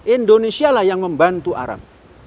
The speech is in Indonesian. indonesia lah yang membantu arab